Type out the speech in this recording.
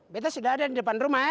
betes sudah ada di depan rumah ya